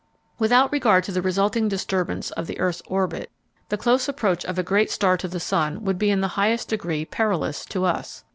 Without regard to the resulting disturbance of the earth's orbit, the close approach of a great star to the sun would be in the highest degree perilous to us.